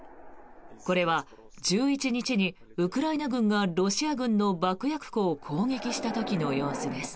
これは１１日にウクライナ軍がロシア軍の爆薬庫を攻撃した時の様子です。